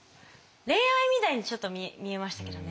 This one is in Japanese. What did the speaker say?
恋愛みたいにちょっと見えましたけどね。